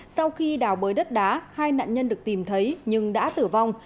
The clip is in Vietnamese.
sau khi đào bới đất đá hai nạn nhân được tìm thấy nhưng đã tử vong